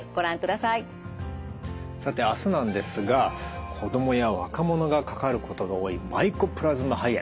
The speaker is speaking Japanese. さて明日なんですが子どもや若者がかかることが多いマイコプラズマ肺炎